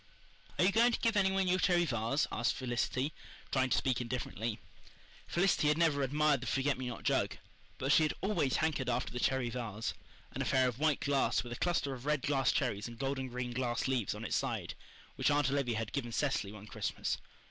"Are you going to give any one your cherry vase?" asked Felicity, trying to speak indifferently. Felicity had never admired the forget me not jug, but she had always hankered after the cherry vase an affair of white glass, with a cluster of red glass cherries and golden green glass leaves on its side, which Aunt Olivia had given Cecily one Christmas.